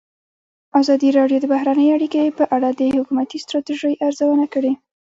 ازادي راډیو د بهرنۍ اړیکې په اړه د حکومتي ستراتیژۍ ارزونه کړې.